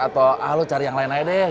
atau ah lo cari yang lain lain deh